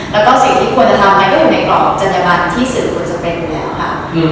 และก็สิ่งที่ควรจะทำก็อยู่ในกล่องจันทรรยาบรรที่ที่สื่อควรสะเป็นอยู่แล้วค่ะ